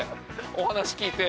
お話聞いて。